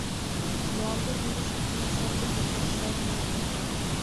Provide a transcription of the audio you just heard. — Мландым имущественный цензе почеш шелына.